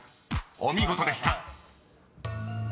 ［お見事でした］